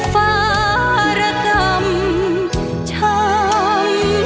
โปรดติดตามต่อไป